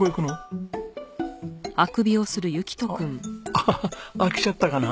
あ飽きちゃったかな？